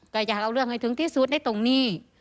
ก็อยากเอาเรื่องให้สูตรในตรงนี้